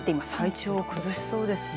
体調を崩しそうですね。